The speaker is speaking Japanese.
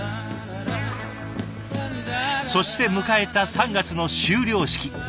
そして迎えた３月の修了式。